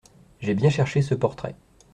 J'ai bien cherché ce portrait.